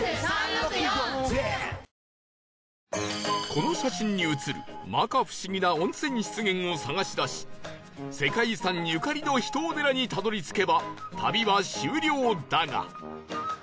この写真に写る摩訶不思議な温泉湿原を探し出し世界遺産ゆかりの秘湯寺にたどり着けば旅は終了だが